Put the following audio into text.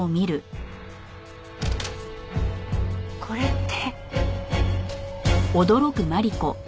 これって。